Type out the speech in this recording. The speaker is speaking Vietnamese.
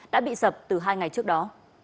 đã bị sập từ hai ngày trước đó